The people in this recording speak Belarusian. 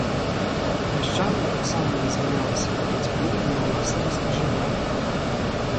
Мяшчанам таксама дазвалялася варыць піва для ўласнага спажывання.